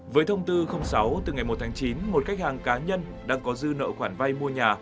với thông tư sáu từ ngày một tháng chín một khách hàng cá nhân đang có dư nợ khoản vay mua nhà